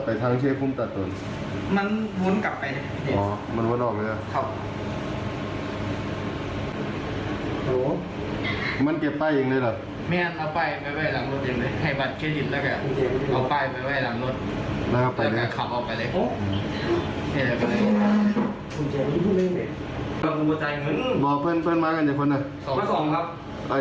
เป็นห่างทางผู้ซ้ายพวกยังไง